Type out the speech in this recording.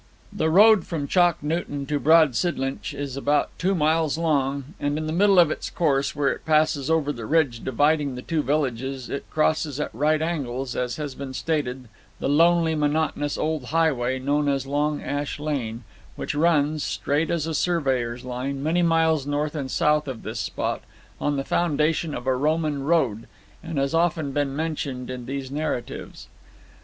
The road from Chalk Newton to Broad Sidlinch is about two miles long and in the middle of its course, where it passes over the ridge dividing the two villages, it crosses at right angles, as has been stated, the lonely monotonous old highway known as Long Ash Lane, which runs, straight as a surveyor's line, many miles north and south of this spot, on the foundation of a Roman road, and has often been mentioned in these narratives.